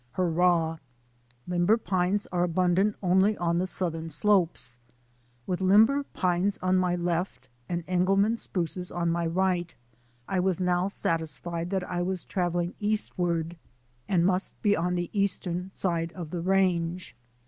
Hurrah! Limber pines are abundant only on southern slopes. With limber pines on my left and Engelmann spruces on my right, I was now satisfied that I was travelling eastward and must be on the eastern side of the range.